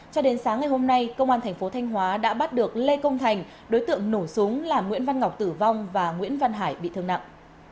cho đến sáng ngày hôm nay công an thành phố thanh hóa đã bắt được lê công thành đối tượng nổ súng là nguyễn văn ngọc tử vong và nguyễn văn hải bị thương nặng